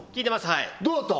はいどうだった？